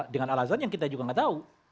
dengan alasan yang kita juga nggak tahu